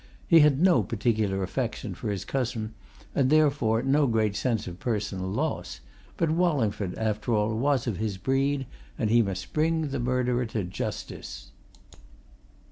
He had no particular affection for his cousin, and therefore no great sense of personal loss, but Wallingford after all was of his breed, and he must bring his murderer to justice.